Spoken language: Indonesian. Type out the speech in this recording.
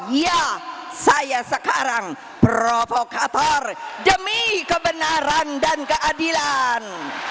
ya saya sekarang provokator demi kebenaran dan keadilan